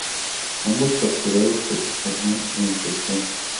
Ambos capturados por Superman e Impulso.